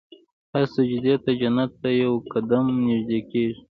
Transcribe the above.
هر سجدې ته جنت ته یو قدم نژدې کېږي.